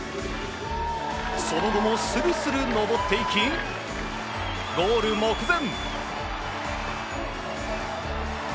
その後もするする登っていきゴール目前。